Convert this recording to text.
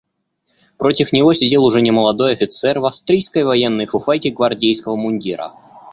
Против него сидел уже немолодой офицер в австрийской военной фуфайке гвардейского мундира.